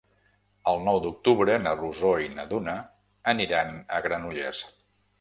El nou d'octubre na Rosó i na Duna aniran a Granollers.